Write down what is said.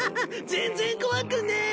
全然怖くねえ。